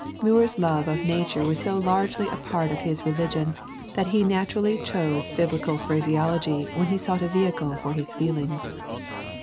Muir's love of nature was so largely a part of his religion that he naturally chose Biblical phraseology when he sought a vehicle for his feelings.